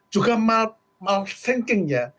juga mal thinkingnya